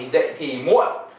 dậy thì muộn